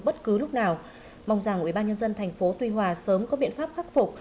bất cứ lúc nào mong rằng ubnd tp tuy hòa sớm có biện pháp khắc phục